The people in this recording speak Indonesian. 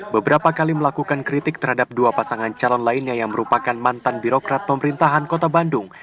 beberapa kali melakukan kritik terhadap dua pasangan calon lainnya yang merupakan mantan birokrat pemerintahan kota bandung